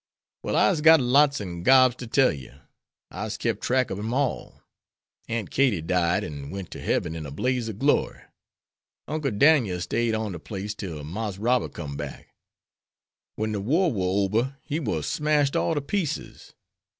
"Well, I'se got lots an' gobs ter tell yer. I'se kep' track ob dem all. Aunt Katie died an' went ter hebben in a blaze ob glory. Uncle Dan'el stayed on de place till Marse Robert com'd back. When de war war ober he war smashed all ter pieces.